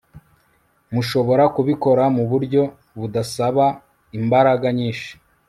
Mushobora kubikora mu buryo budasaba imbaraga nyinshi